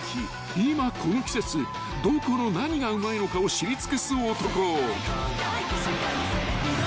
今この季節どこの何がうまいのかを知り尽くす男］